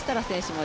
も